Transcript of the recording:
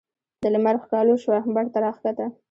د لمر ښکالو شوه بڼ ته راکښته